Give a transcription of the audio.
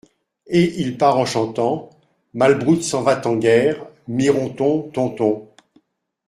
Et il part en chantant : Malbrough s’en va-t-en guerre, Mironton, ton, ton…